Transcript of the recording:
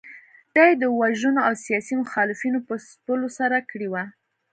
دا یې د وژنو او سیاسي مخالفینو په ځپلو سره کړې وه.